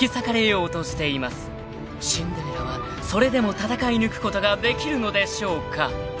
［シンデレラはそれでも戦い抜くことができるのでしょうか］